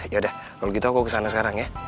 ya udah kalau gitu aku kesana sekarang ya